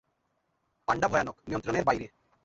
পান্ডা ভয়ানক, নিয়ন্ত্রণের বাইরে।